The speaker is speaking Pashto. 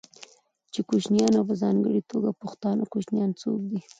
چې کوچيان او په ځانګړې توګه پښتانه کوچيان څوک دي،